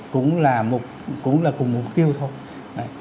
cũng là cùng mục tiêu thôi